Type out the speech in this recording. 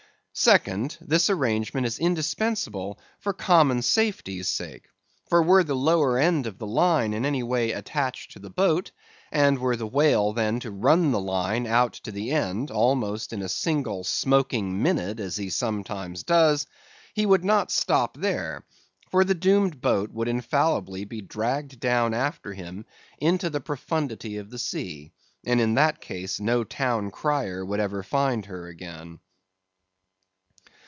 Second: This arrangement is indispensable for common safety's sake; for were the lower end of the line in any way attached to the boat, and were the whale then to run the line out to the end almost in a single, smoking minute as he sometimes does, he would not stop there, for the doomed boat would infallibly be dragged down after him into the profundity of the sea; and in that case no town crier would ever find her again.